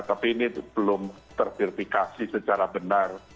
tapi ini belum terverifikasi secara benar